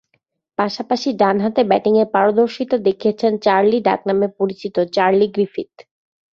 পাশাপাশি ডানহাতে ব্যাটিংয়ে পারদর্শীতা দেখিয়েছেন ‘চার্লি’ ডাকনামে পরিচিত চার্লি গ্রিফিথ।